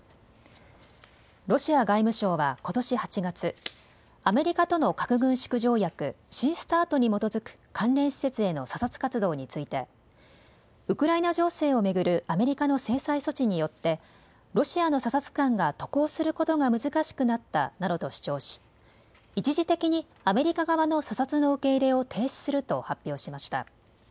ロシア外務省はことし８月、アメリカとの核軍縮条約、新ＳＴＡＲＴに基づく関連施設への査察活動についてウクライナ情勢を巡るアメリカの制裁措置によってロシアの査察官が渡航することが難しくなったなどと主張し一時的にアメリカ側の査察の受け入れを停止すると発表しました。